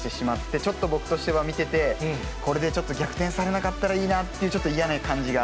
ちょっと僕としては見てて、これでちょっと逆転されなかったらいいなっていう、ちょっと嫌な感じが。